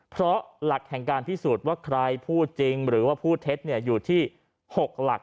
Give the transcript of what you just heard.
เพราะหลักแห่งการพิสูจน์ว่าใครพูดจริงหรือว่าพูดเท็จอยู่ที่๖หลัก